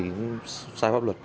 thì cũng sai pháp luật